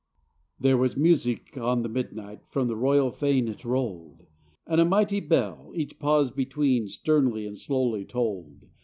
] There was music on the midnight, From a royal fane it rolled ; And almighty bell, each pause between, Sternly and slowly tolled.